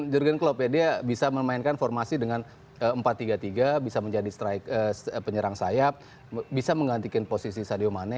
jurgen klopp ya dia bisa memainkan formasi dengan empat tiga tiga bisa menjadi penyerang sayap bisa menggantikan posisi sadio mane